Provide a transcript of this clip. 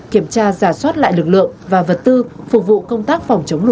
kiểm tra giả soát lại lực lượng và vật tư phục vụ công tác phòng trống